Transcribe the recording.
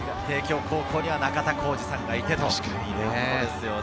帝京高校には中田浩二さんがいてと。